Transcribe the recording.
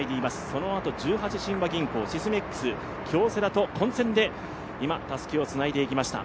そのあと十八親和銀行、シスメックス、京セラと混戦で今、たすきをつないでいきました。